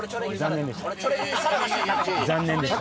残念でした。